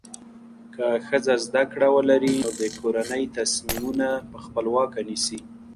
که ښځه زده کړه ولري، نو د کورنۍ تصمیمونه په خپلواکه نیسي.